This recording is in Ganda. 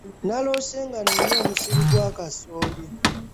Naloose nga nnima omusiri gwa kasooli.